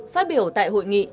phát biểu tại hội nghị